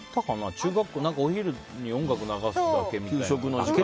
中学の時お昼に音楽を流すだけみたいな。